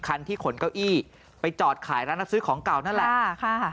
คันที่ขนเก้าอี้ไปจอดขายร้านรับซื้อของเก่านั่นแหละ